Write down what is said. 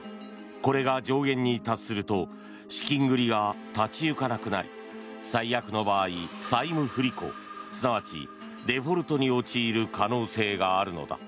これが上限に達すると資金繰りが立ち行かなくなり最悪の場合、債務不履行すなわちデフォルトに陥る可能性があるのだ。